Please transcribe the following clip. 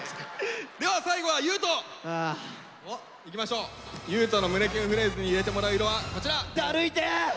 では最後は優斗！いきましょう優斗の胸キュンフレーズに入れてもらう色はこちら。